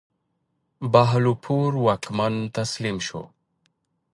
بهاولپور واکمن تسلیم شو.